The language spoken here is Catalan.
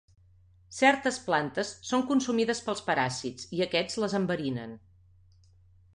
Certes plantes són consumides pels paràsits i aquests les enverinen.